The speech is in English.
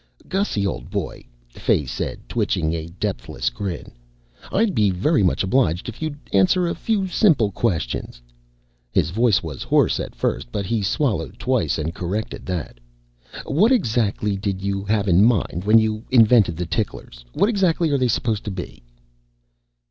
"Gussy, old boy," Fay said, twitching a depthless grin, "I'd be very much obliged if you'd answer a few simple questions." His voice was hoarse at first but he swallowed twice and corrected that. "What exactly did you have in mind when you invented ticklers? What exactly are they supposed to be?"